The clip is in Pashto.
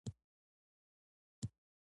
پولیو یوه نړیواله وژونکې ناروغي ده